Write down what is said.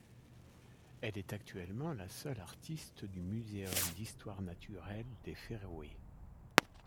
Elle est actuellement la seule artiste du museum d'histoire naturelle des Féroé.